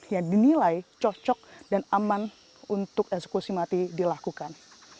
yang dinilai cocok dan aman untuk eksekusi mati dilakukan